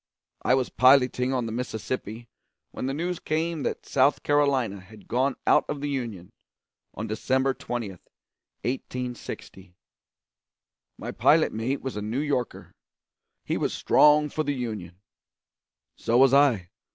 I was piloting on the Mississippi when the news came that South Carolina had gone out of the Union on December 20, 1860. My pilot mate was a New Yorker. He was strong for the Union; so was I.